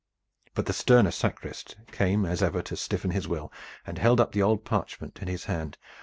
But the sterner sacrist came as ever to stiffen his will. He held up the old parchment in his hand.